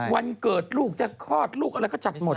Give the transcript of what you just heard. วันเกิดลูกจะคลอดลูกอะไรก็จัดหมด